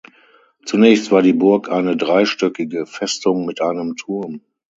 Zunächst war die Burg eine dreistöckige Festung mit einem Turm.